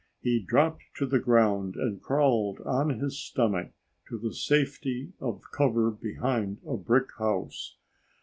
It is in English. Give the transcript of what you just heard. He dropped to the ground and crawled on his stomach to the safety of cover behind a brick house.